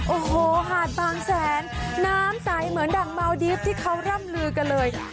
โอ้โหหาดบางแสนน้ำใสเหมือนดังเมาดีฟที่เขาร่ำลือกันเลย